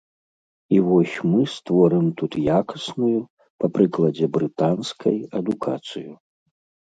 І вось мы створым тут якасную, па прыкладзе брытанскай, адукацыю.